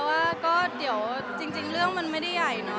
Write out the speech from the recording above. ว่าก็เดี๋ยวจริงเรื่องมันไม่ได้ใหญ่เนอะ